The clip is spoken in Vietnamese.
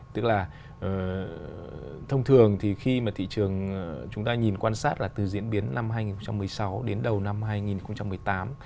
tức là thông thường thì khi mà thị trường chúng ta nhìn quan sát là từ diễn biến năm hai nghìn một mươi sáu đến đầu năm hai nghìn một mươi tám